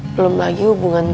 belum lagi hubungan gue